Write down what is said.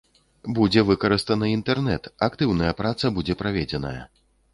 Будзе выкарыстаны інтэрнэт, актыўная праца будзе праведзеная.